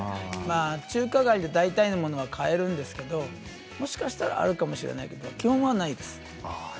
中華街で大体のものは買えるんでもしかしたらあるかもしれませんが基本はないです。